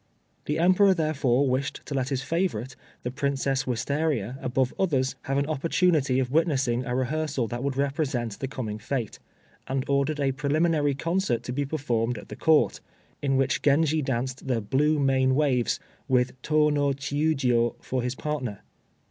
The Emperor, therefore, wished to let his favorite, the Princess Wistaria, above others, have an opportunity of witnessing a rehearsal that would represent the coming fête, and ordered a preliminary concert to be performed at the Court, in which Genji danced the "Blue Main Waves," with Tô no Chiûjiô for his partner.